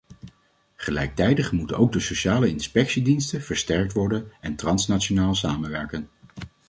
Gelijktijdig moeten ook de sociale inspectiediensten versterkt worden en transnationaal samenwerken.